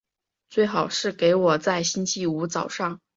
最好是给我在星期五早上